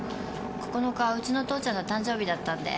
９日はウチの父ちゃんの誕生日だったんで。